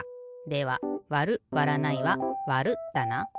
ではわるわらないはわるだな。